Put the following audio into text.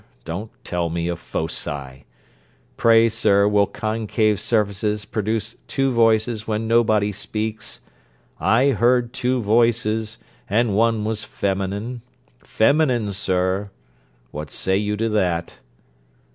Don't tell me of foci. Pray, sir, will concave surfaces produce two voices when nobody speaks? I heard two voices, and one was feminine; feminine, sir: what say you to that?'